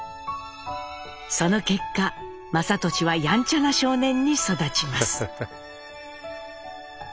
その結果雅俊はやんちゃな少年に育ちます。